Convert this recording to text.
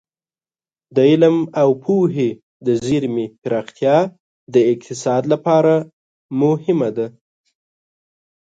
د علم او پوهې د زېرمې پراختیا د اقتصاد لپاره مهمه ده.